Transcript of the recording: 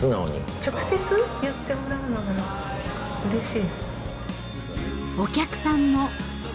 直接言ってもらうのが、うれしい。